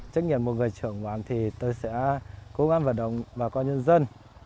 trách nhiệm một người trưởng bản thì tôi sẽ cố gắng vận động bà con nhân dân